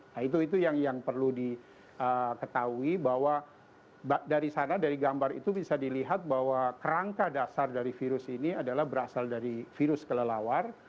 nah itu yang perlu diketahui bahwa dari sana dari gambar itu bisa dilihat bahwa kerangka dasar dari virus ini adalah berasal dari virus kelelawar